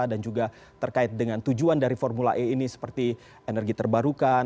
dan juga terkait dengan tujuan dari formula e ini seperti energi terbarukan